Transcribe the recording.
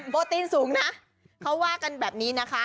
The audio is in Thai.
ตีนสูงนะเขาว่ากันแบบนี้นะคะ